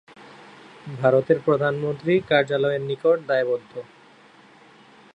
ভারতের প্রধানমন্ত্রী কার্যালয়ের নিকট দায়বদ্ধ।